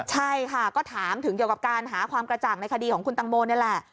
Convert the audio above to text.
ใช่ค่ะก็ถามถึงเกี่ยวกับการหาความกระจ่างในคดีของคุณตังโมนี่แหละ